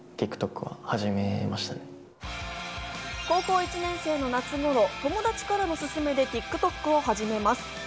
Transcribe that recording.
高校１年生の夏頃、友達からの勧めでＴｉｋＴｏｋを始めます。